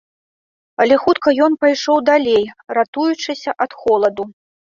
Але хутка ён пайшоў далей, ратуючыся ад холаду.